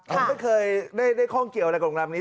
ผมไม่เคยได้ข้องเกี่ยวอะไรกับโรงแรมนี้